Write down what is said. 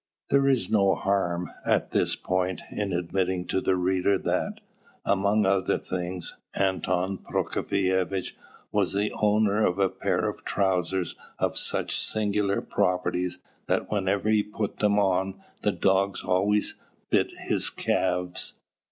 There is no harm, at this point, in admitting to the reader that, among other things, Anton Prokofievitch was the owner of a pair of trousers of such singular properties that whenever he put them on the dogs always bit his calves.